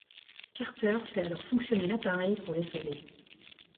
Carter fait alors fonctionner l'appareil pour les sauver.